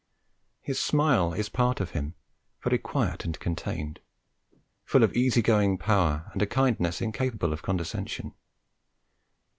His smile is part of him, very quiet and contained, full of easy going power, and a kindness incapable of condescension.